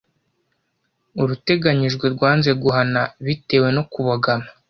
Uruteganyijwe rwanze guhana bitewe no kubogama